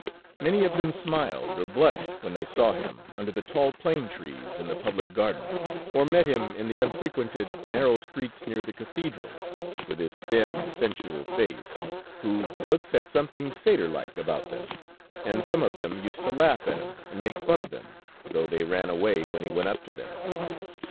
Many of them smiled or blushed when they saw him under the tall plane trees in the public garden, or met him in the unfrequented, narrow streets near the Cathedral, with his thin, sensual face, whose looks had something satyr like about them, and some of them used to laugh at him and make fun of him, though they ran away when he went up to them.